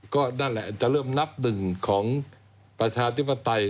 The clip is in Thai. ก็นั่นแหละจะเริ่มนับหนึ่งของประชาธิปไตย